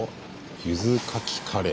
ゆず牡蠣カレー。